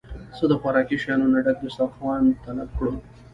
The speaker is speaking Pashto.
څخه د خوراکي شيانو نه ډک دستارخوان طلب کړو